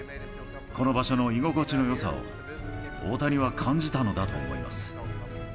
この場所の居心地のよさを、大谷は感じたのだと思います。